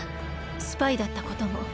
スパイだったことも。